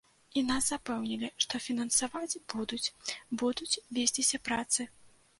І нас запэўнілі, што фінансаваць будуць, будуць весціся працы.